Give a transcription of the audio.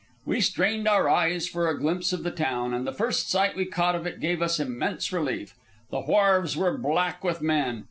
We strained our eyes for a glimpse of the town, and the first sight we caught of it gave us immense relief. The wharves were black with men.